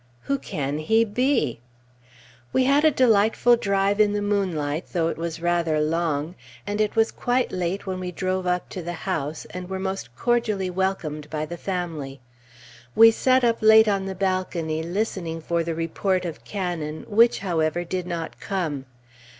Who can he be? We had a delightful drive in the moonlight, though it was rather long; and it was quite late when we drove up to the house, and were most cordially welcomed by the family. We sat up late on the balcony listening for the report of cannon, which, however, did not come.